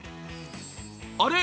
あれ？